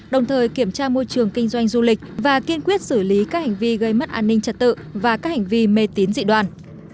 đồng thời kiểm tra môi trường kinh doanh du lịch và kiên quyết xử lý các hành vi gây mất an ninh trật tự và các hành vi mê tín dị đoàn